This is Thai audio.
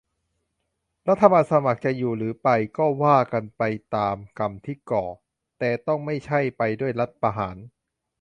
รัฐบาลสมัครจะอยู่หรือจะไป ก็ว่ากันไปตามกรรมที่ก่อ - แต่ต้องไม่ใช่ไปด้วยรัฐประหาร